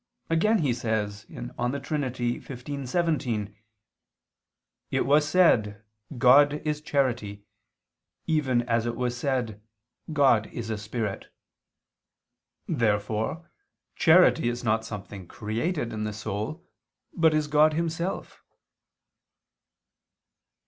Again he says (De Trin. xv, 17): "It was said: God is Charity, even as it was said: God is a Spirit." Therefore charity is not something created in the soul, but is God Himself.